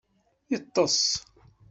Yeṭṭeṣ.